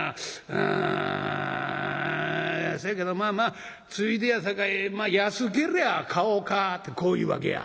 うんそやけどまあまあついでやさかい安けりゃ買おうか』ってこう言うわけや」。